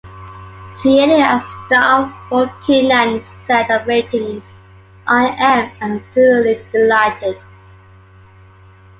Creator and star Ford Kiernan said of the ratings: I am absolutely delighted.